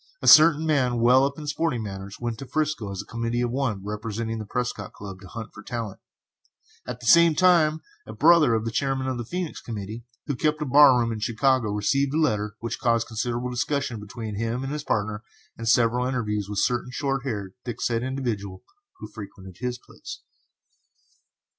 A certain man well up in sporting matters went to 'Frisco as a committee of one, representing the Prescott Club, to hunt for talent; at the same time a brother of the chairman of the Phœnix committee, who kept a bar room in Chicago, received a letter which caused considerable discussion between him and his partner, and several interviews with a certain short haired, thick set individual who frequented his place.